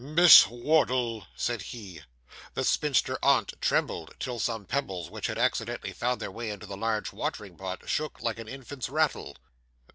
'Miss Wardle!' said he. The spinster aunt trembled, till some pebbles which had accidentally found their way into the large watering pot shook like an infant's rattle.